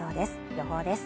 予報です